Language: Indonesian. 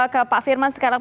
ke pak firman sekarang